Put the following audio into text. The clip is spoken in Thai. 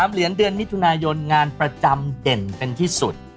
เหรียญเดือนมิถุนายนงานประจำเด่นเป็นที่สุด